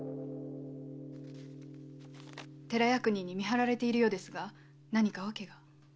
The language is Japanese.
寺役人に見張られているようですが何か訳が？